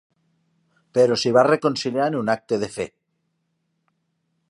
Però s'hi va reconciliar en un acte de fe.